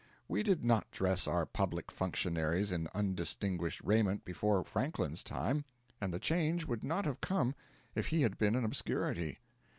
We did not dress our public functionaries in undistinguished raiment before Franklin's time; and the change would not have come if he had been an obscurity.